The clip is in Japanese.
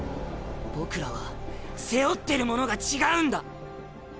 僕らは背負ってるものが違うんだ。